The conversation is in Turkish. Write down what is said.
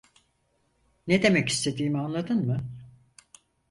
Ne demek istediğimi anladın mı?